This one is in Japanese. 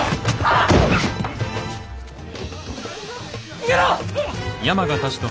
逃げろ！